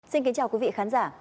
xin kính chào quý vị khán giả